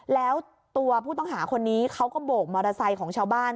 แล้วตัวผู้ต้องหาคนนี้เขาก็โบกมอเตอร์ไซค์ของชาวบ้าน